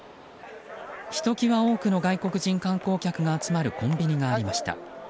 ひときわ多くの外国人観光客が集まるコンビニがありました。